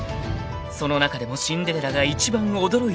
［その中でもシンデレラが一番驚いたこと］